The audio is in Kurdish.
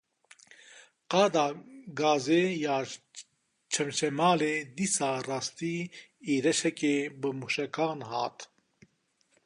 Qada gazê ya Çemçemalê dîsa rastî êrişeke bi mûşekan hat.